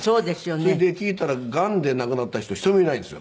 それで聞いたらがんで亡くなった人１人もいないんですよ